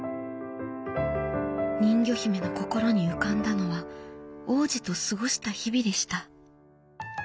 人魚姫の心に浮かんだのは王子と過ごした日々でした。